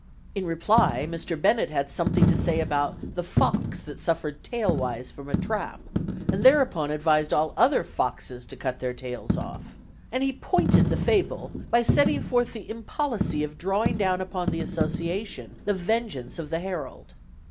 In reply, Mr. Bennett had something to say about the fox that had suffered tailwise from a trap, and thereupon advised all other foxes to cut their tails off; and he pointed the fable by setting forth the impolicy of drawing down upon the Association the vengeance of the Herald.